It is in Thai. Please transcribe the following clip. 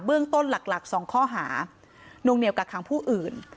เรื่องต้นหลัก๒ข้อหานวงเหนียวกักขังผู้อื่น